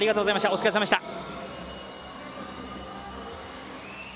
お疲れさまでした。